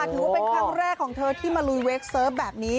ถือว่าเป็นครั้งแรกของเธอที่มาลุยเวคเซิร์ฟแบบนี้